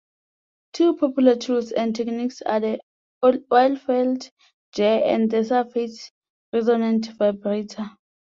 Two popular tools and techniques are the oilfield jar and the surface resonant vibrator.